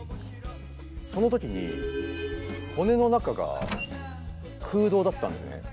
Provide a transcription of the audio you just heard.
その時に骨の中が空洞だったんですね。